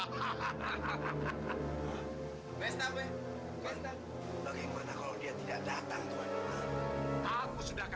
tidak boleh pak